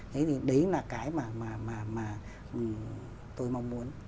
đấy là cái mà tôi mong muốn